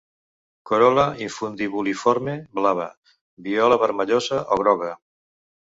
Corol·la infundibuliforme blava, viola, vermellosa o groga.